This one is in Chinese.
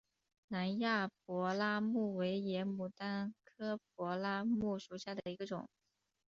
南亚柏拉木为野牡丹科柏拉木属下的一个种。